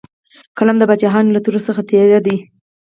قلم د باچاهانو له تورې څخه تېره دی.